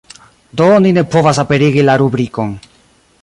Do ni ne povas aperigi la rubrikon.